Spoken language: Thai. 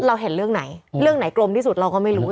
เราเห็นเรื่องไหนเรื่องไหนกลมที่สุดเราก็ไม่รู้